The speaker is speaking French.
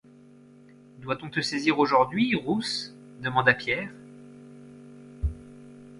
Doit-on te saisir aujourd'hui, Rousse, demanda Pierre ?